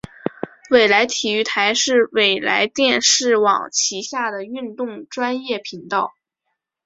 纬来体育台是纬来电视网旗下的运动专业频道。